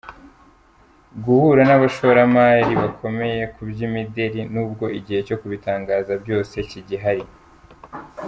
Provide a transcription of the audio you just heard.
guhura n’abashoramari bakomeye mu by’imideli. nubwo igihe cyo kubitangaza byose kigihari.